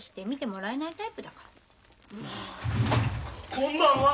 ・こんばんは！